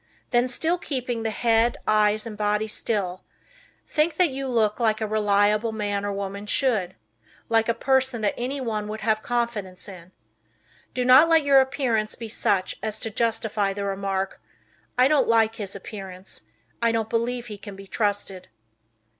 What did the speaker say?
Then, still keeping the head, eyes and body still, think that you look like a reliable man or woman should; like a person that anyone would have confidence in. Do not let your appearance be such as to justify the remark, "I don't like his appearance. I don't believe he can be trusted."